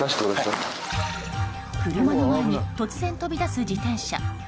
車の前に突然飛び出す自転車。